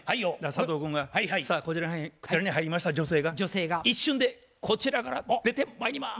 佐藤君が「さあこちらに入りました女性が一瞬でこちらから出てまいります」。